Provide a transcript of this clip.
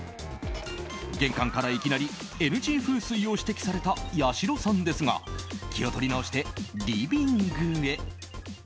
玄関からいきなりＮＧ風水を指摘されたやしろさんですが気を取り直して、リビングへ。